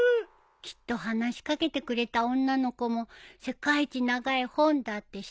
きっと話し掛けてくれた女の子も世界一長い本だって知ってたんじゃない？